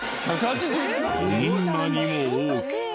こんなにも大きく。